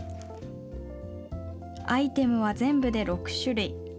アイテムは全部で６種類。